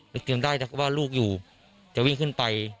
เร็วเตียงได้แต่ว่าลูกอยู่จะวิ่งขึ้นไป